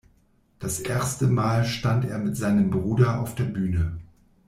Das erste Mal stand er mit seinem Bruder auf der Bühne.